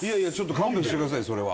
勘弁してくださいそれは。